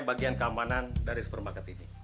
bawa aja bapak